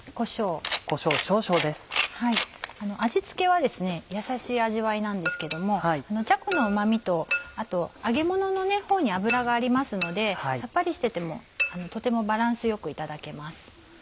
味付けはやさしい味わいなんですけどもじゃこのうま味とあと揚げもののほうに油がありますのでさっぱりしててもとてもバランスよくいただけます。